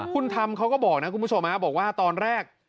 คุณธรรมเขาก็บอกนะคุณผู้ชมบอกว่าตอนแรก